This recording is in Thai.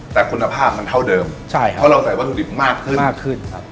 แต่คุณภาพมันเท่าเดิมใช่ครับเพราะเราใส่วัตถุดิบมากขึ้นมากขึ้นครับ